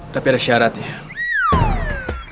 tapi ada syarat nih